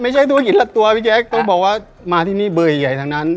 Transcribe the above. แจ๊คต้องบอกว่ามาที่นี่เบอร์ใหญ่ทั้งนั้น